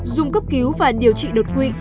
dùng cấp cứu và điều trị đột quỵ